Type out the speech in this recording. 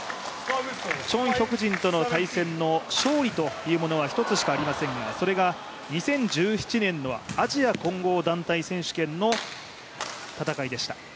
チョン・ヒョクジンとの対戦の勝利というのは１つしかありませんがそれが２０１７年のアジア混合団体選手権の戦いでした。